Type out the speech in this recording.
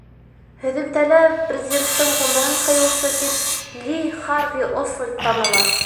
Һөҙөмтәлә президенттың ғүмерен ҡыйыусы тип Ли Харви Освальд таныла.